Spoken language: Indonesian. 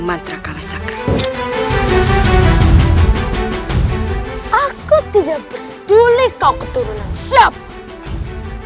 aku tidak peduli kau keturunan siapa